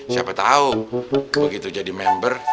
siapa tahu begitu jadi member